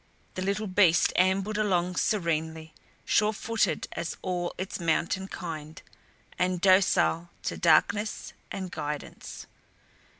The little beast ambled along serenely, sure footed as all its mountain kind, and docile to darkness and guidance.